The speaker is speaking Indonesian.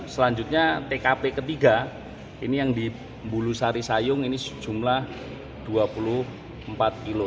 selanjutnya tkp ketiga ini yang di bulusari sayung ini sejumlah dua puluh empat kilo